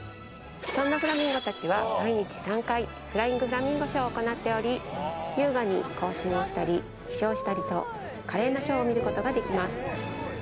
そんなフラミンゴたちは毎日３回フライング・フラミンゴショーを行っており優雅に行進をしたり飛翔したりと華麗なショーを見ることができます